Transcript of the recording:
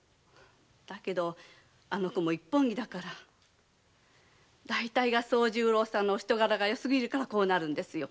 だけどあの娘も一本気だから。大体惣十郎さんのお人柄がよすぎるからこうなるんですよ。